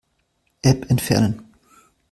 App entfernen.